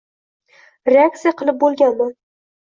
Reaksiya qilib boʻlaganman.